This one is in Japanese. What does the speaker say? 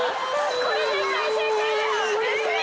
これ絶対正解だよ。